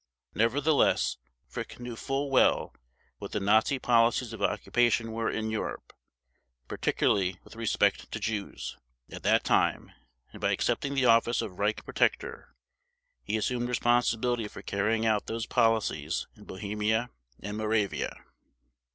Nevertheless, Frick knew full well what the Nazi policies of occupation were in Europe, particularly with respect to Jews, at that time, and by accepting the office of Reich Protector he assumed responsibility for carrying out those policies in Bohemia and Moravia.